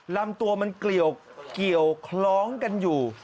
ลำตัวมันเกี่ยวคล้องกันอยู่